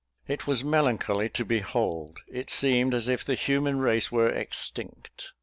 It was melancholy to behold: it seemed as if the human race were extinct.